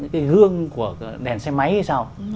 cái hương của đèn xe máy hay sao